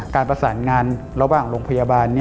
การประสานงานระหว่างโรงพยาบาล